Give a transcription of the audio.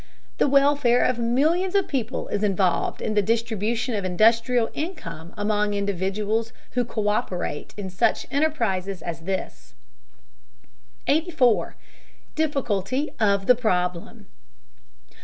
The welfare of millions of people is involved in the distribution of industrial income among individuals who co÷perate in such enterprises as this. 84. DIFFICULTY OF THE PROBLEM.